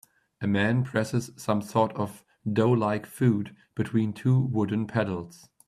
A man presses some sort of doughlike food between two wooden paddles.